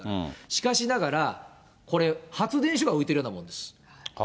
しかしながら、これ、発電所が浮いてるようなものです。